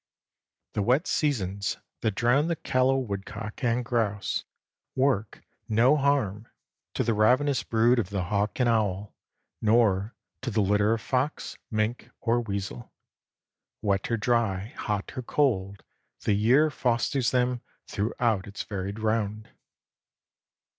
The wet seasons that drown the callow woodcock and grouse work no harm to the ravenous brood of the hawk and owl, nor to the litter of fox, mink, or weasel. Wet or dry, hot or cold, the year fosters them throughout its varied round.